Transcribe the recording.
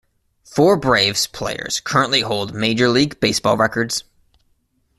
Four Braves players currently hold Major League Baseball records.